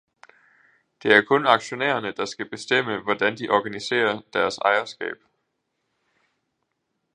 Der er kun aktionærerne, der skal bestemme, hvordan de organiserer deres ejerskab.